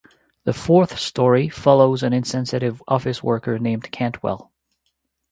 The fourth story follows an insensitive office worker named Cantwell.